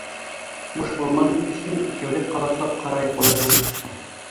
— Буш булмаһын өсөн, икәүләп ҡабатлап ҡарайыҡ, улайһа.